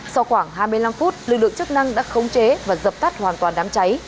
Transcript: sau khoảng hai mươi năm phút lực lượng chức năng đã khống chế và dập tắt hoàn toàn đám cháy